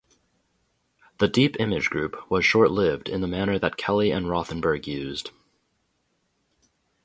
The deep image group was short-lived in the manner that Kelly and Rothenberg used.